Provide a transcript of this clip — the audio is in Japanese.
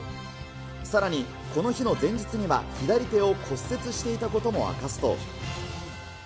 さらにこの日の前日には、左手を骨折していたことも明かすと。